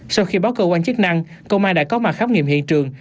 sau khi báo cơ quan chức năng công an đã có mặt khám nghiệm hiện trường